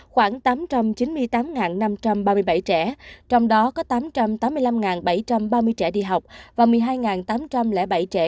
khoảng tám trăm chín mươi tám năm trăm ba mươi bảy trẻ trong đó có tám trăm tám mươi năm bảy trăm ba mươi trẻ đi học và một mươi hai tám trăm linh bảy trẻ